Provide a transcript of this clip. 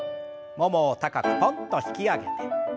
ももを高くポンと引き上げて。